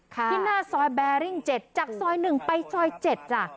ที่หน้าซอยแบริ่ง๗จากซอย๑ไปซอย๗จ้ะ